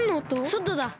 そとだ！